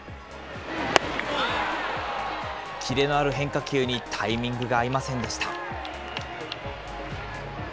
キレのある変化球にタイミングが合いませんでした。